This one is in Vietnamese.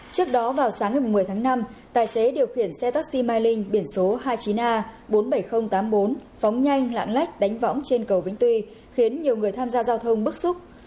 trước đó vào sáng ngày một mươi tháng năm tài xế điều khiển xe taxi mai linh biển số hai mươi chín a bốn mươi bảy nghìn tám mươi bốn phóng nhanh lạng lách đánh võng trên cầu vĩnh tuy khiến nhiều người tham gia giao thông bức xúc